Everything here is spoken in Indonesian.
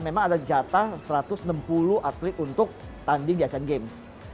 memang ada jatah satu ratus enam puluh atlet untuk tanding di asian games